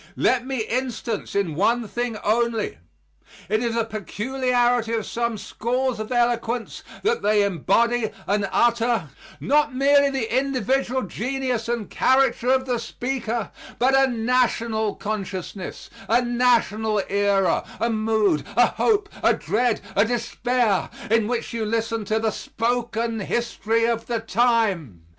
Let me instance in one thing only. It is a peculiarity of some schools of eloquence that they embody and utter, not merely the individual genius and character of the speaker, but a national consciousness a national era, a mood, a hope, a dread, a despair in which you listen to the spoken history of the time.